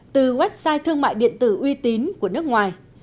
từ website thương mại điện tử uy tín của nước ngoài